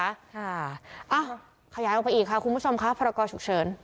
ค่ะอ้าวขยายออกไปอีกค่ะคุณผู้ชมค่ะพรกรฉุกเฉิน